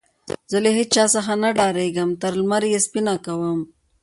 زه له هيچا څخه نه ډارېږم؛ تر لمر يې سپينه کوم.